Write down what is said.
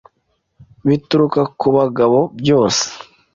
bituruka ku bagabo byose